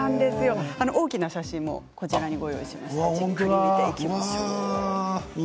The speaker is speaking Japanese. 大きな写真もご用意しました。